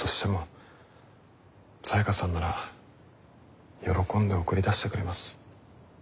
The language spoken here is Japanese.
サヤカさんなら喜んで送り出してくれます。